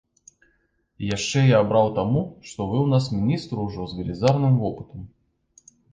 Яшчэ я абраў таму, што вы ў нас міністр ужо з велізарным вопытам.